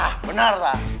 hah benar tak